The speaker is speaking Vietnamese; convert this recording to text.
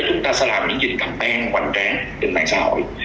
chúng ta sẽ làm những chuyện tầm an hoành tráng trên mạng xã hội